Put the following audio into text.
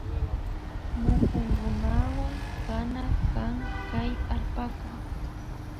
Mukunkunawan kana kan kay allpaka